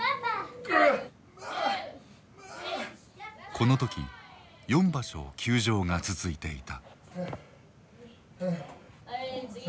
この時４場所休場が続いていた。